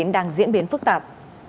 đang diễn biến phức tạp